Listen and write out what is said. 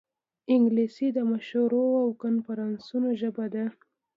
انګلیسي د مشورو او کنفرانسونو ژبه ده